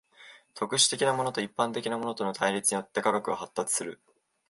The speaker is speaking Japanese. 特殊的なものと一般的なものとの対立によって科学は発達する。